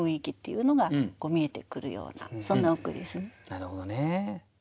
なるほどね。